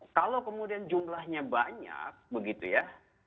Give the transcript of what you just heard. kalau kemudian jumlahnya banyak begitu ya